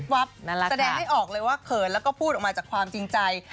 แสดงไม่ออกเลยว่าเขินแล้วก็พูดออกมาจากความจริงใจ